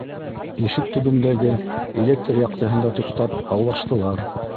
Ишек төбөндәге электр яҡтыһында туҡтап һаулаштылар.